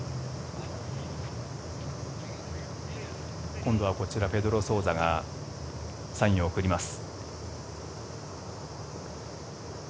今度はこちらペドロ・ソウザがサインを送ります。